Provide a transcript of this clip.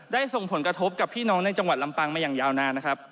ส่งผลกระทบกับพี่น้องในจังหวัดลำปางมาอย่างยาวนานนะครับ